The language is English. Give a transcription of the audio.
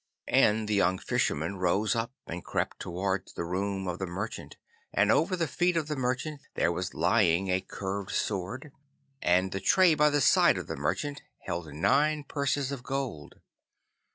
And the young Fisherman rose up and crept towards the room of the merchant, and over the feet of the merchant there was lying a curved sword, and the tray by the side of the merchant held nine purses of gold.